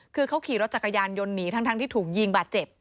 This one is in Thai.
คือเขาขี่รถจักรยานยนต์หนีทั้งที่ถูกยิงบาดเจ็บ